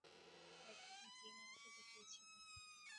একজন জিন আমাকে দেখিয়েছিল।